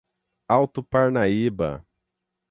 Alto Parnaíba